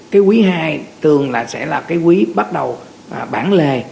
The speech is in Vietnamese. cái quý hai thường là sẽ là cái quý bắt đầu bản lề